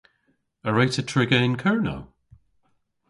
A wre'ta triga yn Kernow?